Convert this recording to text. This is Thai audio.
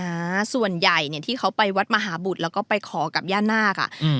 อ่าส่วนใหญ่เนี้ยที่เขาไปวัดมหาบุตรแล้วก็ไปขอกับย่านาคอ่ะอืม